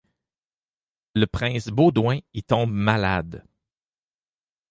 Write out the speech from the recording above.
Le prince Baudouin y tombe malade.